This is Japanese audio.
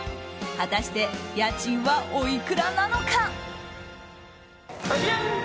果たして家賃はおいくらなのか。